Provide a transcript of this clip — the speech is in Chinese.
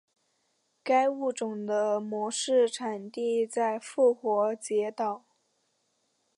该物种的模式产地在复活节岛。